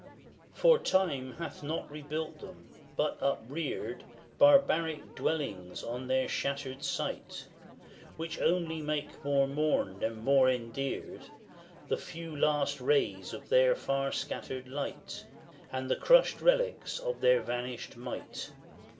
For time hath not rebuilt them, but upreared Barbaric dwellings on their shattered site, Which only make more mourned and more endeared The few last rays of their far scattered light, And the crushed relics of their vanished might.